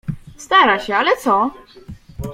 Stara się, ale co?